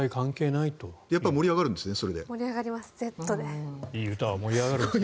いい歌は盛り上がるんですね。